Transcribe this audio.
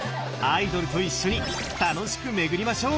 アイドルと一緒に楽しく巡りましょう！